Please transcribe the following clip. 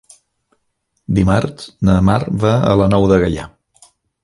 Dimarts na Mar va a la Nou de Gaià.